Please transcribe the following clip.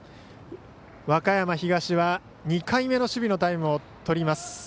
和歌山東は２回目の守備のタイムをとります。